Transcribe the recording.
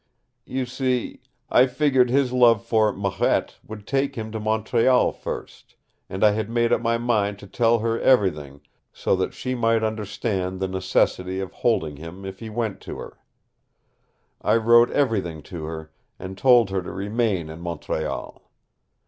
You see, I figured his love for Marette would take him to Montreal first, and I had made up my mind to tell her everything so that she might understand the necessity of holding him if he went to her. I wrote everything to her and told her to remain in Montreal.